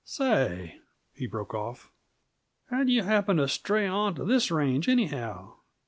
"Say," he broke off, "how'd you happen t' stray onto this range, anyhow?